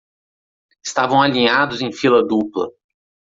Estavam alinhados em fila dupla